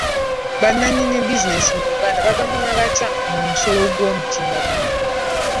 Bannanyini bizinensi mu Uganda banaaganyulwa batya mu musolo gw'okumutimbagano?